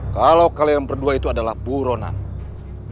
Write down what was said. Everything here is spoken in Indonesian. kalau kalian berdua itu adalah buronan